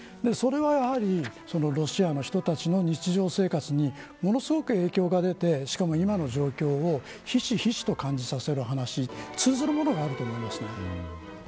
それはやはりロシアの人たちの日常生活にものすごく影響が出てしかも今の状況をひしひしと感じさせる話に通ずるものがあると思います。